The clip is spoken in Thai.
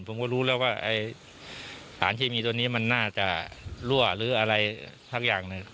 ผมก็รู้แล้วว่าสารเคมีตัวนี้มันน่าจะรั่วหรืออะไรสักอย่างหนึ่ง